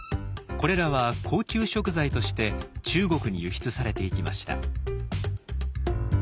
これらは高級食材として中国に輸出されていきました。